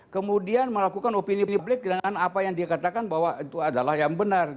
kemudian melakukan opini publik dengan apa yang dikatakan bahwa itu adalah yang benar